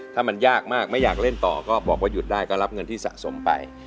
ถ้ามันยากมากไม่อยากเล่นต่อก็บอกว่าหยุดได้ก็รับเงินที่สะสมไป